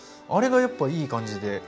あれがやっぱいい感じで。